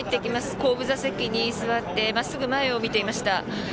後部座席に座って真っすぐ前を見ていました。